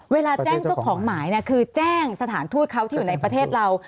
เวลาแจ้งเจ้าของหมายเนี่ยคือแจ้งสถานทูตเขาที่อยู่ในประเทศเรา